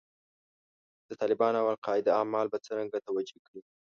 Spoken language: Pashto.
د طالبانو او القاعده اعمال به څرنګه توجیه کړې.